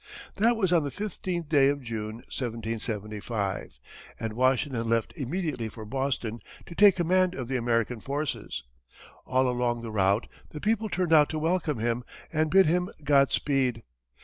That was on the 15th day of June, 1775, and Washington left immediately for Boston to take command of the American forces. All along the route, the people turned out to welcome him and bid him Godspeed.